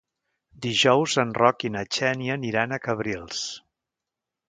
Dijous en Roc i na Xènia aniran a Cabrils.